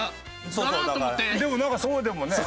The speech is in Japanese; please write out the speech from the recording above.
でもなんかそうでも。